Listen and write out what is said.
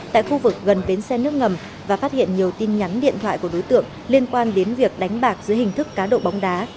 tại khu vực gần bến xe nước ngầm và phát hiện nhiều tin nhắn điện thoại của đối tượng liên quan đến việc đánh bạc dưới hình thức cá độ bóng đá